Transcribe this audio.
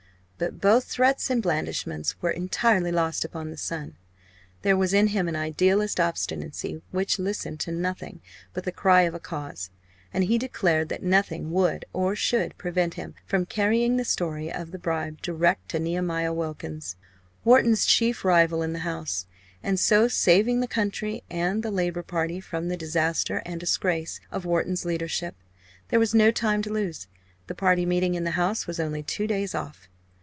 But both threats and blandishments were entirely lost upon the son. There was in him an idealist obstinacy which listened to nothing but the cry of a cause, and he declared that nothing would or should prevent him from carrying the story of the bribe direct to Nehemiah Wilkins, Wharton's chief rival in the House, and so saving the country and the Labour party from the disaster and disgrace of Wharton's leadership. There was no time to lose, the party meeting in the House was only two days off.